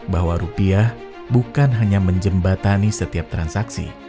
bahwa rupiah bukan hanya menjembatani setiap transaksi